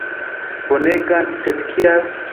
Bonegan, sed kial?